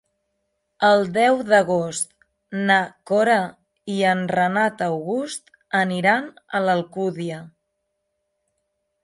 El deu d'agost na Cora i en Renat August aniran a l'Alcúdia.